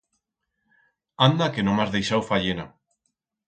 Anda que no m'has deixau fayena!